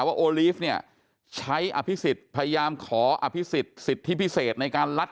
ว่าโอลีฟเนี่ยใช้อภิษฎพยายามขออภิษฎสิทธิพิเศษในการลัด